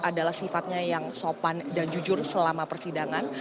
adalah sifatnya yang sopan dan jujur selama persidangan